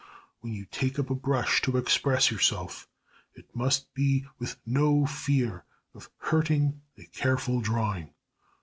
When you take up a brush to express yourself, it must be with no fear of hurting a careful drawing.